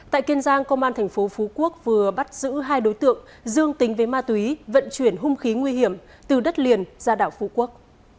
tại kiên giang công an thành phố phú quốc vừa bắt giữ hai đối tượng dương tính với ma túy vận chuyển hung khí nguy hiểm từ đất liền ra đảo phú quốc